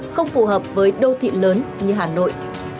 không phù hợp với đô thị lớn như hà nội